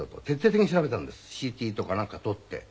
徹底的に調べたんですＣＴとかなんか撮って。